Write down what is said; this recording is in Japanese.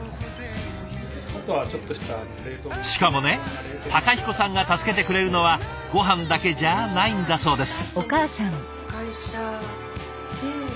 しかもね彦さんが助けてくれるのはごはんだけじゃないんだそうです。